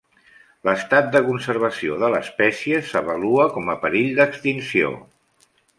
L'estat de conservació de l'espècie s'avalua com a perill d'extinció.